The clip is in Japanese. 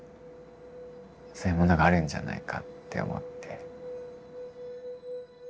そういうものがあるんじゃないかって思って。